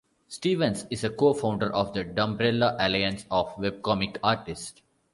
Stevens is a co-founder of the Dumbrella alliance of webcomic artists.